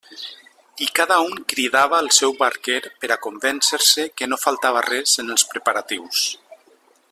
I cada un cridava el seu barquer per a convèncer-se que no faltava res en els preparatius.